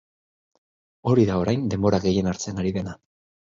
Hori da orain denbora gehien hartzen ari dena.